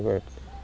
học như là